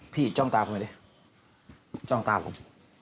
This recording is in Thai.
พี่จ้องตาผมไว้ด้วยจ้องตาผม